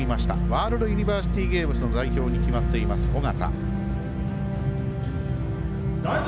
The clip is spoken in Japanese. ワールドユニバーシティゲームズの代表に決まっています、緒方。